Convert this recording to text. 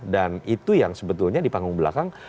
dan itu yang sebetulnya di panggung belakang